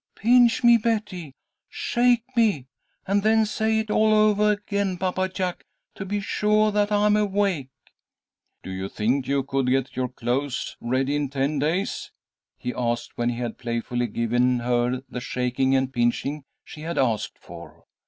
"Pinch me, Betty! Shake me! And then say it all ovah again, Papa Jack, to be suah that I'm awake!" "Do you think you could get your clothes ready in ten days?" he asked, when he had playfully given her the shaking and pinching she had asked for.